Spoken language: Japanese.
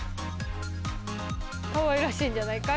かわいらしいんじゃないかい？